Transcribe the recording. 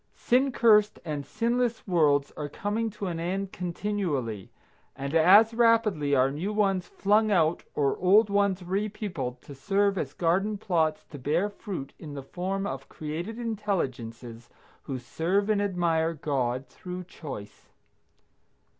Sin cursed and sinless worlds are coming to an end continually, and as rapidly are new ones flung out or old ones re peopled to serve as garden plots to bear fruit in the form of created intelligences who serve and admire God through choice.